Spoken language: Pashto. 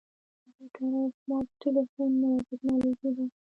کمپیوټر او سمارټ ټلیفون نوې ټکنالوژي ده.